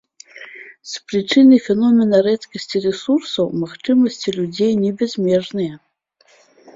З прычыны феномена рэдкасці рэсурсаў, магчымасці людзей не бязмежныя.